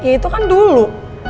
ya itu kan dulu